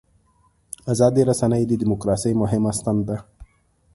ازادې رسنۍ د دیموکراسۍ مهمه ستن ده.